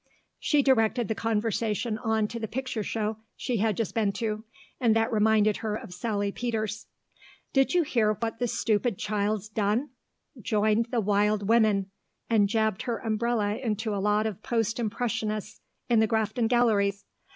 She directed the conversation on to the picture show she had just been to, and that reminded her of Sally Peters. "Did you hear what the stupid child's done? Joined the Wild Women, and jabbed her umbrella into a lot of Post Impressionists in the Grafton Galleries.